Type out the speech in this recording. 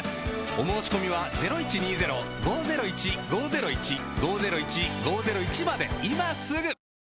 お申込みは今すぐ！